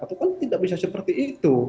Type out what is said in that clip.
itu kan tidak bisa seperti itu